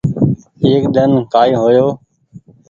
ايڪ ۮن ڪآئي هو يو